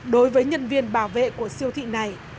đối với nhân viên bảo vệ của siêu thị này